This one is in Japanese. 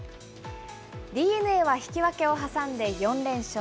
ＤｅＮＡは引き分けを挟んで４連勝。